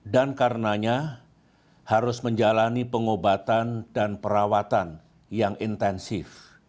dan karenanya harus menjalani pengobatan dan perawatan yang intensif